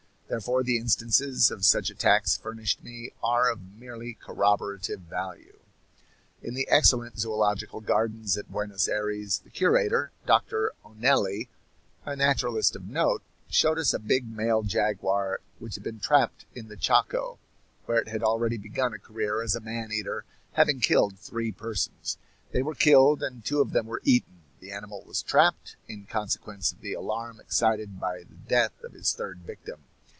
Therefore the instances of such attacks furnished me are of merely corroborative value. In the excellent zoological gardens at Buenos Aires the curator, Doctor Onelli, a naturalist of note, showed us a big male jaguar which had been trapped in the Chaco, where it had already begun a career as a man eater, having killed three persons. They were killed, and two of them were eaten; the animal was trapped, in consequence of the alarm excited by the death of his third victim.